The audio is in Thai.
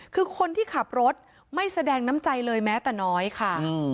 คือคนที่ขับรถไม่แสดงน้ำใจเลยแม้แต่น้อยค่ะ